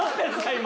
今。